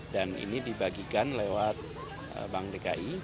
dan ini dibagikan lewat bank dki